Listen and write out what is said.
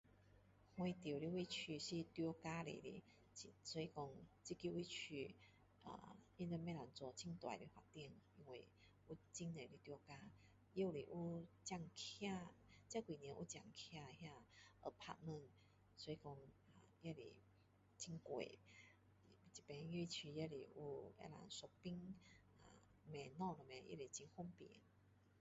我住的位置是在所以说这个位置呃他们不能做很大的发展又是有这几年有刚建的 apartment 也是很贵周围位置也是有 shopping 买东西